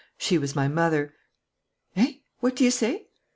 She was my mother." "Eh? What do you say?"